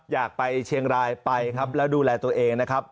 อยากไปเชียงรายไปครับแล้วดูแลตัวเองนะครับ